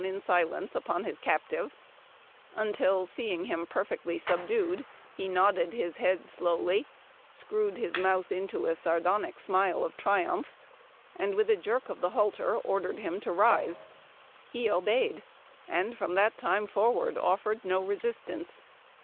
Hence upon his captive, until, seeing him perfectly subdued, he nodded his head slowly his mouth into a sardonic smile of triumph, and with a jerk of the halter ordered him to He obeyed, and from that time forwar ^nce.